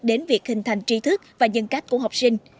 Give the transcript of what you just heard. đến việc hình thành trí thức và nhân cách của học sinh